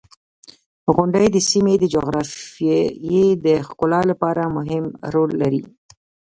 • غونډۍ د سیمې د جغرافیې د ښکلا لپاره مهم رول لري.